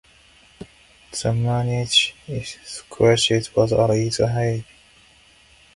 The Munich crisis was at its height.